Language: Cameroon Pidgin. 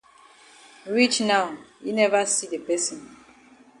Reach now yi never see the person.